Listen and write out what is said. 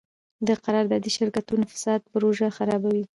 د قراردادي شرکتونو فساد پروژه خرابوي.